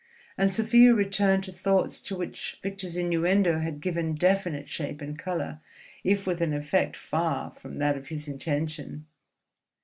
And Sofia returned to thoughts to which Victor's innuendo had given definite shape and colour, if with an effect far from that of his intention.